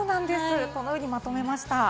このようにまとめました。